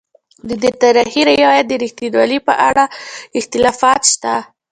ددې تاریخي روایت د رښتینوالي په اړه اختلافات شته.